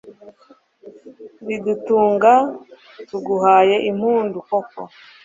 ridutunga, tuguhaye impundu, koko